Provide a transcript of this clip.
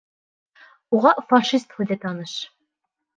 Уга «фашист» һүҙе таныш.